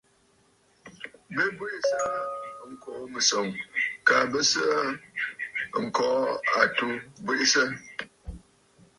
Bɨ bweʼesə aa ŋkòò mɨ̀sɔ̀ŋ, kaa bɨ sɨ aa ŋ̀kɔ̀lɔ̂ àtu bweʼesə.